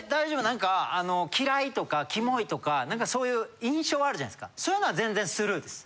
なんかあの「嫌い」とか「キモい」とかなんかそういう印象あるじゃないですかそういうのは全然スルーです。